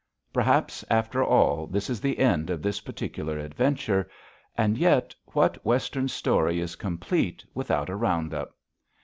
Perhaps, after all, this is the end of this particular adventure. And yet, what Western story is complete without a round up?